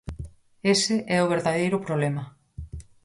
Ese é o verdadeiro problema.